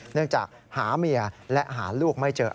เนื่องจากหาเมียและหาลูกไม่เจอ